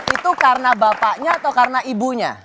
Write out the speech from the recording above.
itu karena bapaknya atau karena ibunya